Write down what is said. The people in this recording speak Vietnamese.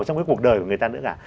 trong cuộc đời của người ta nữa cả